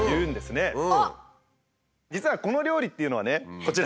実はこの料理っていうのはねこちら。